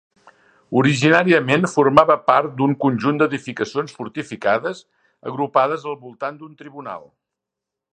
Originàriament formava part d'un conjunt d'edificacions fortificades agrupades al voltant d'un tribunal.